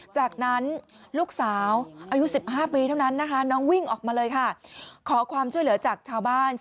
จากนั้นลูกสาวอายุ๑๕ปีเท่านั้นนะคะ